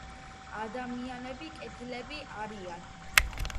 ადამიანები კეთილები არიან